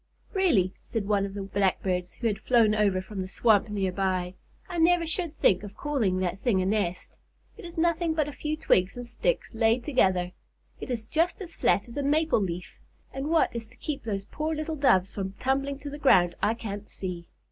"Really," said one of the Blackbirds, who had flown over from the swamp near by, "I never should think of calling that thing a nest! It is nothing but a few twigs and sticks laid together. It is just as flat as a maple leaf, and what is to keep those poor little Doves from tumbling to the ground I can't see."